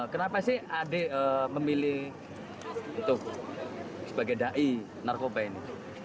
kenapa sih adik memilih untuk sebagai dai narkoba ini